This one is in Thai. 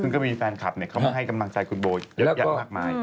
ซึ่งก็มีแฟนคลับเข้ามาให้กำลังใจคุณโบเยอะแยะมากมาย